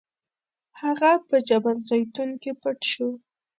هغه په جبل الزیتون کې پټ شو.